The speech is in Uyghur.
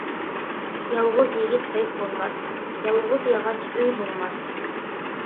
يالغۇز يىگىت بەگ بولماس، يالغۇز ياغاچ ئۆي بولماس.